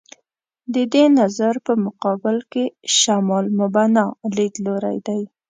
د دې نظر په مقابل کې «شمال مبنا» لیدلوری دی.